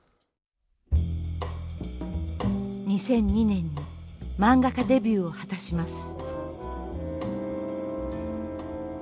２００２年に漫画家デビューを果たします。